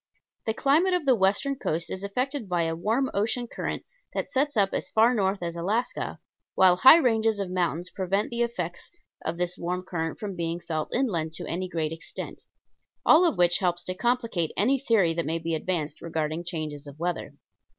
The climate of the western coast is affected by a warm ocean current that sets up as far north as Alaska, while high ranges of mountains prevent the effects of this warm current from being felt inland to any great extent; all of which helps to complicate any theory that may be advanced regarding changes of weather.